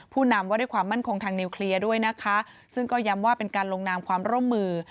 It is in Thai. นำว่าด้วยความมั่นคงทางนิวเคลียร์ด้วยนะคะซึ่งก็ย้ำว่าเป็นการลงนามความร่วมมือ